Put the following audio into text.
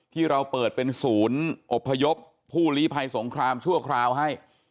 ที่เราเปิดเป็นศูนย์อบพยพผู้ลีภัยสงครามชั่วคราวให้